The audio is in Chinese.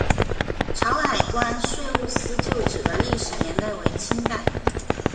潮海关税务司旧址的历史年代为清代。